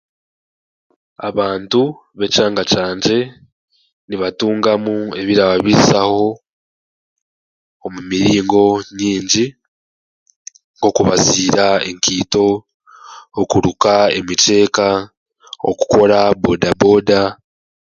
Abantu be kyanga kyangye nibatungamu ebirababaisaho omu miringo nyingi nk'okubaziira enkaito, okuruka emicheeka, okukora bodaboda.